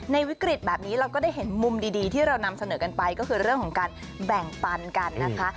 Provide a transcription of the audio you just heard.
วิกฤตแบบนี้เราก็ได้เห็นมุมดีที่เรานำเสนอกันไปก็คือเรื่องของการแบ่งปันกันนะคะ